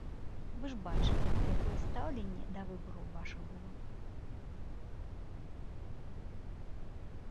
Вы ж бачылі, якое стаўленне да выбараў вашых было.